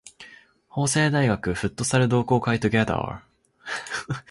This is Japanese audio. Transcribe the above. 法政大学フットサル同好会 together